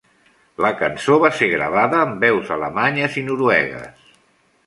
La cançó va ser gravada amb veus alemanyes i noruegues.